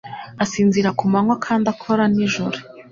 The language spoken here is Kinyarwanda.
Asinzira ku manywa kandi akora nijoro